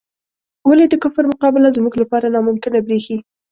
ولې د کفر مقابله زموږ لپاره ناممکنه بریښي؟